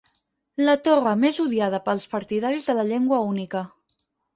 La torre més odiada pels partidaris de la llengua única.